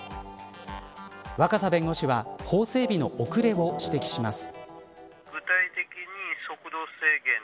若狭弁護士は法整備の遅れを指摘します。